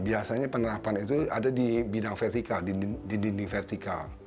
biasanya penerapan itu ada di bidang vertikal di dinding vertikal